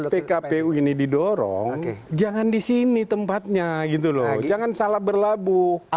nah gitu loh kalau ingin pkpu ini didorong jangan di sini tempatnya gitu loh jangan salah berlabuh